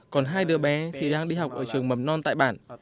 còn hai đứa bé thì đang đi học ở trường mầm non tại bản